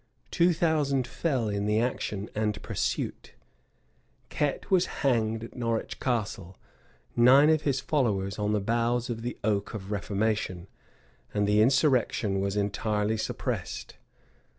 Two thousand fell in the action and pursuit: Ket was hanged at Norwich Castle, nine of his followers on the boughs of the oak of reformation; and the insurrection was entirely suppressed.